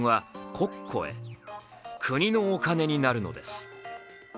国のお金になるのです。